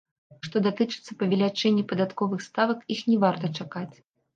Што датычыцца павелічэння падатковых ставак, іх не варта чакаць.